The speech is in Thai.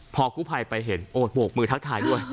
พอกู้ภัยไปเห็นโอ้โบกมือทักทายด้วย